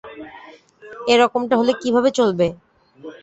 এরকমটা হলে কীভাবে চলবে?